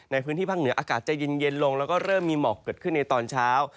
ในพื้นที่ภาคเหนืออากาศจะเย็นลงแล้วก็เริ่มมีหมอกเกิดขึ้นในตอนเช้า